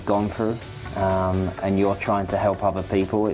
dan anda mencoba untuk membantu orang lain